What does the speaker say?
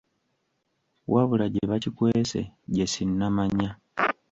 Wabula gye bakikwese gye sinnamanya.